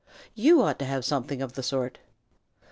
You ought to have something of the sort."